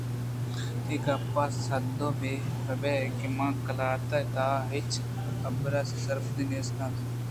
اے گپ ءَ سدّک بہ بئے کہ من ءَ قلات ءِ تہا ہچ حبر ے سرپدی نیست اِنت